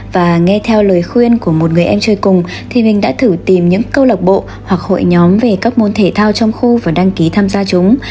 và nghe theo lời khuyên của một người em chơi cùng thì mình đã thử tìm những câu lạc bộ hoặc hội nhóm về các môn thể thao trong khu và đăng ký tham gia chúng